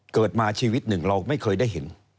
เกิดมาชีวิตหนึ่งเราไม่เคยได้เห็น